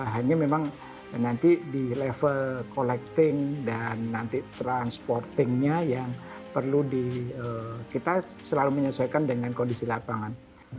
hanya memang nanti di level collecting dan nanti transportingnya yang perlu di kita selalu menyesuaikan dengan kondisi lapangan